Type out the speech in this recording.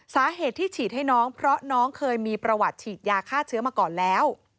สาเหตุที่ฉีดให้น้องเพราะน้องเคยมีประวัติฉีดยาฆ่าเชื้อมาก่อนแล้ว